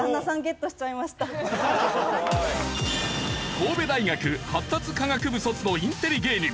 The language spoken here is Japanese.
神戸大学発達科学部卒のインテリ芸人。